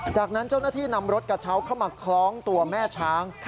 จากนั้นเจ้าหน้าที่นำรถกระเช้าเข้ามาคล้องตัวแม่ช้าง